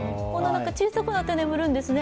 小さくなって眠るんですね。